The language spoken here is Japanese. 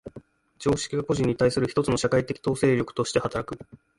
常識は個人に対する一つの社会的統制力として働く。